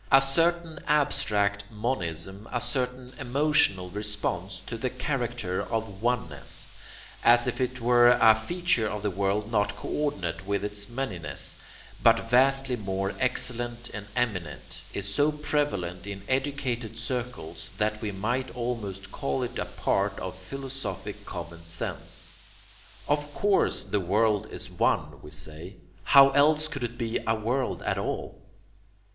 A certain abstract monism, a certain emotional response to the character of oneness, as if it were a feature of the world not coordinate with its manyness, but vastly more excellent and eminent, is so prevalent in educated circles that we might almost call it a part of philosophic common sense. Of COURSE the world is one, we say. How else could it be a world at all?